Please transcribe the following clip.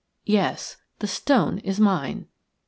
Yes, the stone is mine."